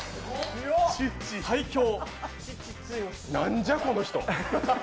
なんじゃ、この人。